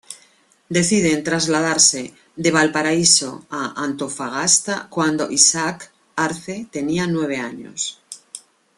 Deciden trasladarse de Valparaíso a Antofagasta, cuando Isaac Arce tenía nueve años.